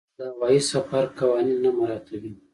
د هوايي سفر قوانین نه مراعاتوي.